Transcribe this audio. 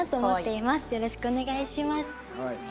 よろしくお願いします。